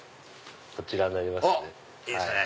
こちらになりますね。